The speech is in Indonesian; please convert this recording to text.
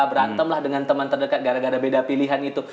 berantem lah dengan teman terdekat gara gara beda pilihan itu